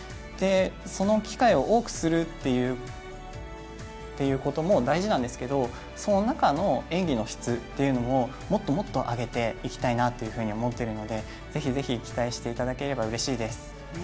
その機会を多くするということも大事なんですけどその中の演技の質というのももっともっと上げていきたいと思ってますしぜひぜひ期待していただければうれしいです。